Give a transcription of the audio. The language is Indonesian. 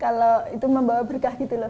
kalau itu membawa berkah gitu loh